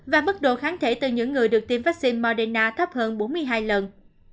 và mức độ kháng thể từ những người được tiêm vaccine moderna thấp hơn bốn mươi hai lần